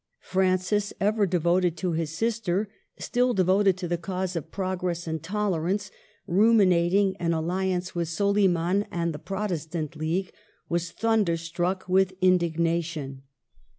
Francis, ever devoted to his sister, still devoted to the cause of progress and tolerance, ruminating an alli ance with Soliman and the Protestant League, was thunderstruck with indignation.